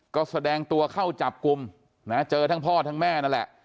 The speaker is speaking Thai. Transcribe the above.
ก็แสดงตัวเข้าจับกลุ่มนะเจอทั้งพ่อทั้งแม่นั่นแหละ